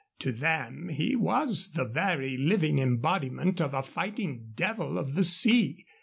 To them he was the very living embodiment of a fighting devil of the sea.